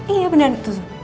iya bener tuh tuh